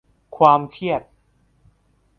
ความเครียด